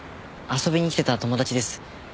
遊びに来てた友達です。